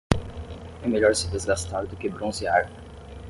É melhor se desgastar do que bronzear.